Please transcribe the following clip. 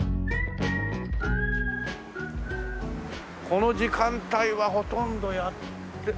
この時間帯はほとんどやって。